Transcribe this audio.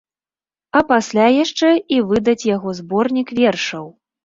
А пасля яшчэ і выдаць яго зборнік вершаў.